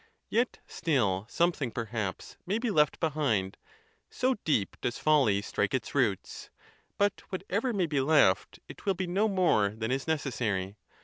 Yet still something, perhaps, may be left behind, so deep does folly strike its roots: but whatever may be ON GRIEF OF MIND. 97 left, it will be no more than is necessary.